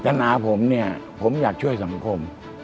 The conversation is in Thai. เกตนาผมเนี่ยผมอยากช่วยสัมพมนต์